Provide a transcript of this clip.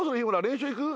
練習行く？」